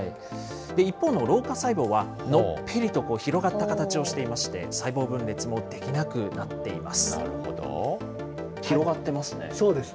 一方の老化細胞は、のっぺりと広がった形をしていまして、細胞分裂もできなくなっています。